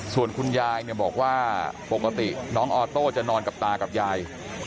ส่วนคุณยายบอกว่าปกติน้องออโต้จะนอนกับตากับยาย